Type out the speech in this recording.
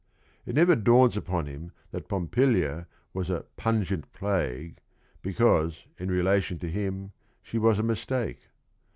It never dawns upon him that Pompilia was a "pungent plague," because, in relation to him, she was a mistake.